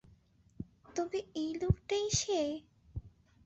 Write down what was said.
তবে এই লোকটাই সে!